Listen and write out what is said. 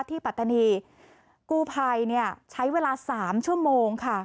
ที่ปรัฐนีกู้ไพนี่ใช้เวลาสามชั่วโมงค่ะ